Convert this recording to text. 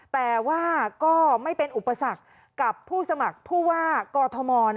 แต่ว่าก็ไม่เป็นอุปสรรคกับผู้สมัครผู้ว่ากอทม